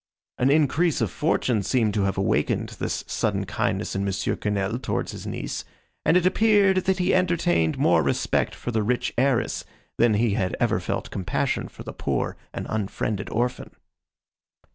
An increase of fortune seemed to have awakened this sudden kindness in M. Quesnel towards his niece, and it appeared, that he entertained more respect for the rich heiress, than he had ever felt compassion for the poor and unfriended orphan.